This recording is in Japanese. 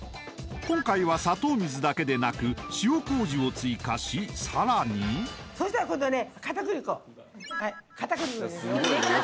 今回は砂糖水だけでなく塩麹を追加しさらにそしたら今度ね片栗粉入れるよ